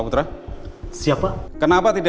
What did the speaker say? atau saya yang akan bertindak